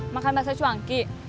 makan bahasa cuangki